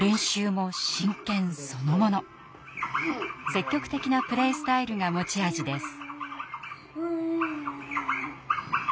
積極的なプレースタイルが持ち味です。